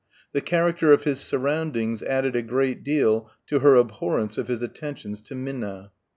The character of his surroundings added a great deal to her abhorrence of his attentions to Minna.